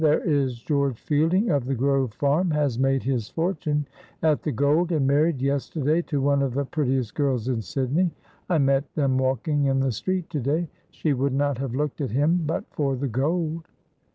There is George Fielding, of the 'Grove Farm,' has made his fortune at the gold, and married yesterday to one of the prettiest girls in Sydney. I met them walking in the street to day. She would not have looked at him but for the gold."